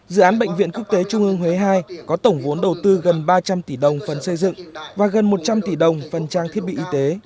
dự án bệnh viện quốc tế trung ương huế ii có tổng vốn đầu tư gần ba trăm linh tỷ đồng phần xây dựng và gần một trăm linh tỷ đồng phần trang thiết bị y tế